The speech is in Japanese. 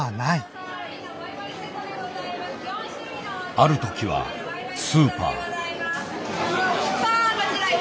あるときはスーパー。